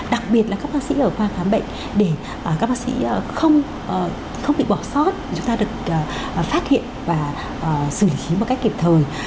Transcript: đặc biệt là các bác sĩ ở khoa khám bệnh để các bác sĩ không bị bỏ sót chúng ta được phát hiện và xử lý một cách kịp thời